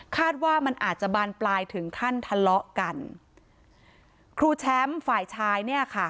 ว่ามันอาจจะบานปลายถึงขั้นทะเลาะกันครูแชมป์ฝ่ายชายเนี่ยค่ะ